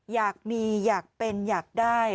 อยากมีอยากเป็นอยากได้